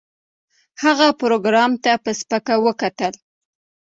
هغه پروګرامر ته په سپکه وکتل